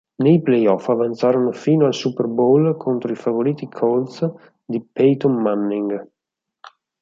Nei playoff avanzarono fino al Super Bowl contro i favoriti Colts di Peyton Manning.